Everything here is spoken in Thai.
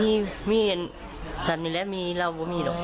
มีมีสัตว์นี้แหละมีเราไม่มีหรอก